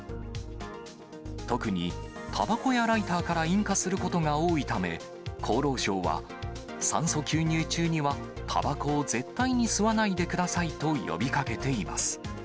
特にたばこやライターから引火することが多いため、厚労省は、酸素吸入中には、たばこを絶対に吸わないでくださいと呼びかけています。